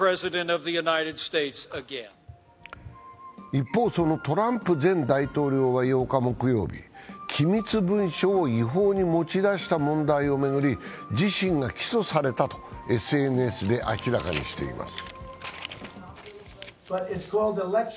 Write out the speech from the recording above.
一方、そのトランプ前大統領は８日木曜日、機密文書を違法に持ち出した問題を巡り、自身が起訴されたとＳＮＳで明らかにしています。